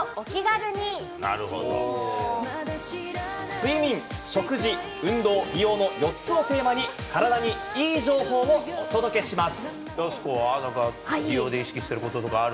睡眠、食事、運動、美容の４つをテーマに体にいい情報をお届けします。